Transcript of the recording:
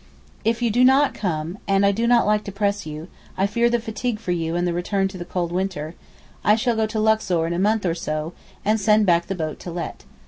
If you do not come (and I do not like to press you, I fear the fatigue for you and the return to the cold winter) I shall go to Luxor in a month or so and send back the boat to let.